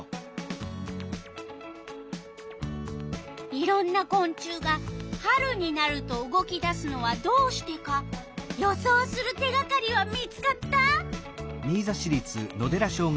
いろんなこん虫が春になると動き出すのはどうしてか予想する手がかりは見つかった？